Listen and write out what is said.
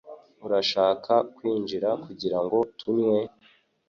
Urashaka kwinjira kugirango tunywe?